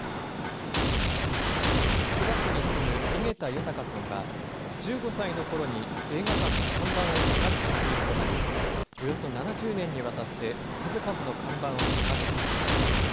つくば市に住む井桁豊さんは、１５歳のころに映画館の看板を描く職人となり、およそ７０年にわたって数々の看板を手がけてきました。